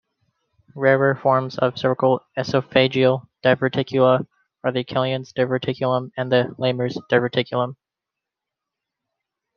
Rarer forms of cervical esophageal diverticula are the Killian's diverticulum and the Laimer's diverticulum.